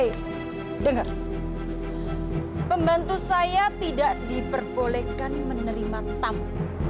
eh denger pembantu saya tidak diperbolehkan menerima tamu